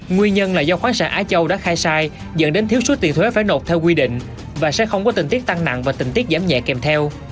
nguyên nhân là do khoáng sản á châu đã khai sai dẫn đến thiếu số tiền thuế phải nộp theo quy định và sẽ không có tình tiết tăng nặng và tình tiết giảm nhẹ kèm theo